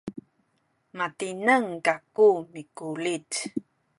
matineng kaku mikulit